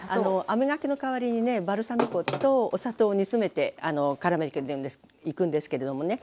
あめがけの代わりにねバルサミコとお砂糖煮詰めて絡めていくんですけれどもね。